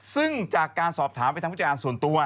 ซึ่งจากการสอบถามไปทางผู้จัดการส่วนตัว